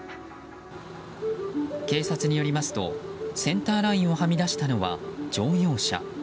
警察によりますとセンターラインをはみ出したのは乗用車。